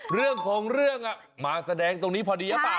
เรื่องของเรื่องมาแสดงตรงนี้พอดีหรือเปล่า